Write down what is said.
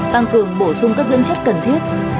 tăng cường bổ sung các dưỡng chất cần thiết